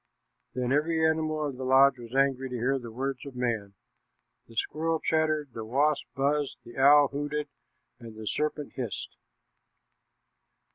Then every animal in the lodge was angry to hear the words of man. The squirrel chattered, the wasp buzzed, the owl hooted, and the serpent hissed.